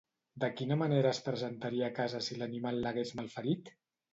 De quina manera es presentaria a casa si l'animal l'hagués malferit?